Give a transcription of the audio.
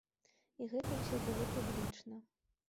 І гэта ўсё было публічна.